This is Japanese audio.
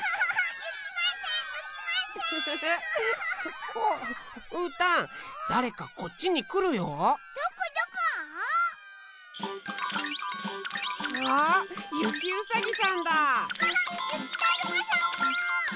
ゆきだるまさんも！